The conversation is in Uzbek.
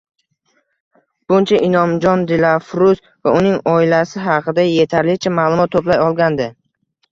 Bungacha Inomjon Dilafruz va uning oilasi haqida etarlicha ma`lumot to`play olgandi